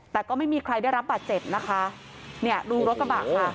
แต่ก็ไม่มีใครได้รับบาดเจ็บนะคะเนี่ยดูรถกระบะค่ะ